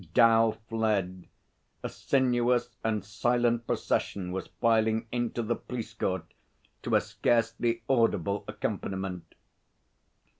'Dal fled. A sinuous and silent procession was filing into the police court to a scarcely audible accompaniment.